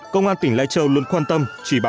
công an tỉnh lai châu luôn quan tâm